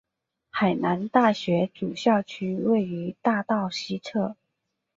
海南大学主校区位于大道西侧。